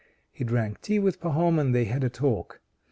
He drank tea with Pahom, and they had a talk.